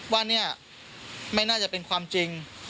ว่าเนี่ยไม่น่าจะเป็นความจริง